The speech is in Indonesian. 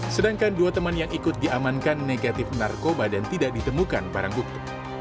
sedangkan dua teman yang ikut diamankan negatif narkoba dan tidak ditemukan barang bukti